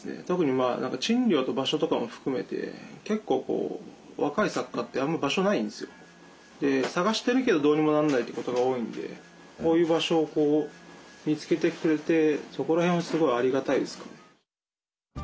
特に賃料と場所とかも含めて結構若い作家ってあんま場所ないんですよ。で探してるけどどうにもなんないってことが多いんでこういう場所を見つけてくれてそこら辺はすごいありがたいですかね。